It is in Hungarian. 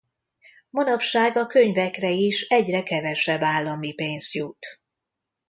Manapság a könyvekre is egyre kevesebb állami pénz jut.